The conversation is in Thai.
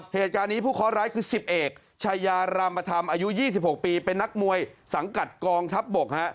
เหตุการณ์นี้ผู้เคาะร้ายคือ๑๐เอกชายารามธรรมอายุ๒๖ปีเป็นนักมวยสังกัดกองทัพบก